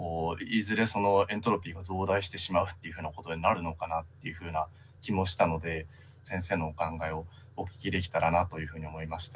そのエントロピーが増大してしまうっていうふうなことになるのかなっていうふうな気もしたので先生のお考えをお聞きできたらなというふうに思いました。